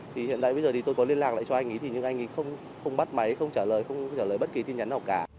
thì hiện tại bây giờ thì tôi có liên lạc lại cho anh ý thì nhưng anh ấy không bắt máy không trả lời không trả lời bất kỳ tin nhắn nào cả